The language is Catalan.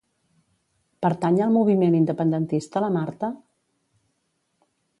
Pertany al moviment independentista la Marta?